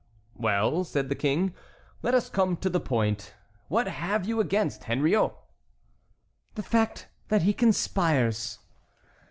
"Well," said the King, "let us come to the point. What have you against Henriot?" "The fact that he conspires."